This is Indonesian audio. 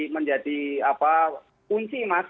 menjadi kunci mas